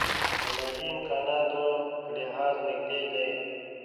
د مالي امکاناتو په لحاظ نژدې دي.